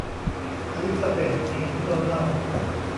อลิสซาเบธเห็นโดนัล